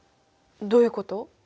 どういうこと？